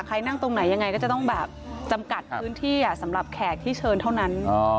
ใครนั่งตรงไหนยังไงก็จะต้องแบบจำกัดพื้นที่สำหรับแขกที่เชิญเท่านั้น